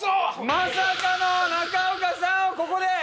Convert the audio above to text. まさかの中岡さんをここで。